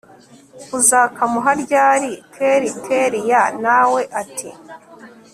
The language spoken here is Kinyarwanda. uzakamuha ryari kelli kellia nawe ati